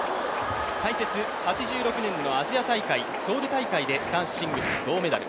解説、８６年のアジア大会ソウル大会で男子シングルス銅メダル。